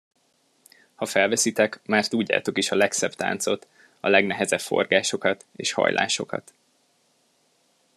Ha felveszitek, már tudjátok is a legszebb táncot, a legnehezebb forgásokat és hajlásokat.